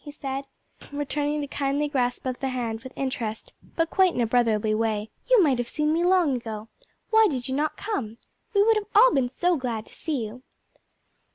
he said, returning the kindly grasp of the hand with interest, but quite in a brotherly way. "You might have seen me long ago. Why did you not come? We would all have been so glad to see you."